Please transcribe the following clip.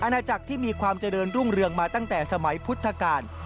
นาจักรที่มีความเจริญรุ่งเรืองมาตั้งแต่สมัยพุทธกาล